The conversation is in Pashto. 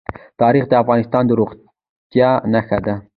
تاریخ د افغانستان د زرغونتیا نښه ده.